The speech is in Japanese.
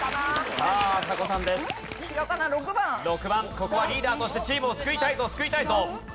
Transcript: ここはリーダーとしてチームを救いたいぞ救いたいぞ。